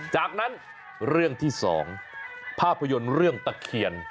จากนั้นเรื่องที่๒ภาพยนตร์เรื่องตะเคียน